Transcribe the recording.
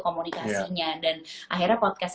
komunikasinya dan akhirnya podcast